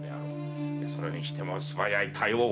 それにしてもすばやい対応。